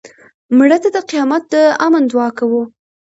مړه ته د قیامت د امن دعا کوو